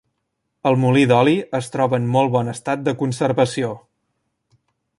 El molí d'oli es troba en molt bon estat de conservació.